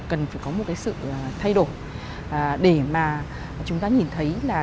cần phải có một cái sự thay đổi để mà chúng ta nhìn thấy là